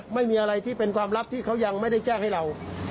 ไม่มีอะไรที่เป็นความลับที่เขายังไม่ได้แจ้งให้เรา